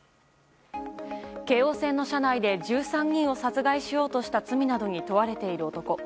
京王線の車内で１３人を殺害しようとした罪などに問われている男。